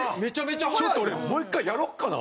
ちょっと俺もう１回やろうかな。